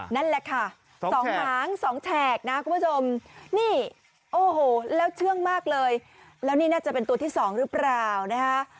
นั่นแหละค่ะ๒หาง๒แฉกนะคุณผู้ชมนี่โอ้โหแล้วเชื่องมากเลยแล้วนี่น่าจะเป็นตัวที่๒หรือเปล่านะคะ